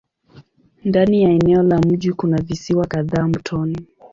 Ndani ya eneo la mji kuna visiwa kadhaa mtoni.